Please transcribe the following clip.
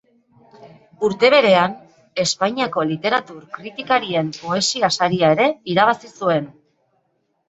Urte berean, Espainiako literatur kritikarien poesia saria ere irabazi zuen.